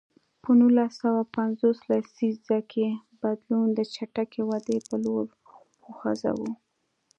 په نولس سوه پنځوس لسیزه کې بدلون د چټکې ودې په لور خوځاوه.